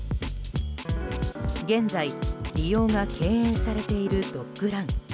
現在、利用が敬遠されているドッグラン。